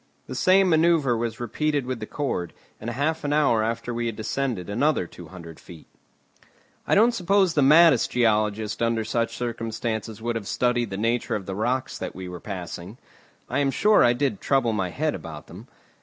The same manoeuvre was repeated with the cord, and half an hour after we had descended another two hundred feet. I don't suppose the maddest geologist under such circumstances would have studied the nature of the rocks that we were passing. I am sure I did trouble my head about them.